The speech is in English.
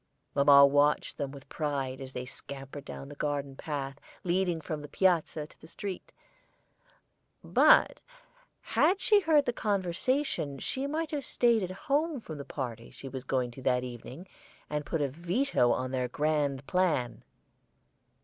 Mamma watched them with pride as they scampered down the garden path leading from the front piazza to the street, but had she heard their conversation she might have staid at home from the party she was going to that evening, and put a veto on their grand plan.